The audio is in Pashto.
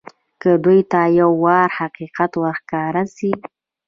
که دوى ته يو وار حقيقت ورښکاره سي.